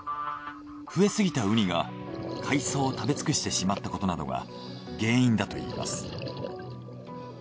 増えすぎたウニが海藻を食べつくしてしまったことなどが原因だといいます。